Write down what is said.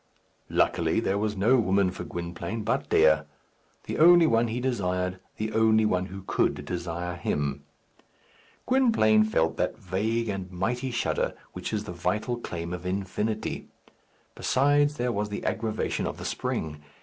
Luckily, there was no woman for Gwynplaine but Dea the only one he desired, the only one who could desire him. Gwynplaine felt that vague and mighty shudder which is the vital claim of infinity. Besides there was the aggravation of the spring.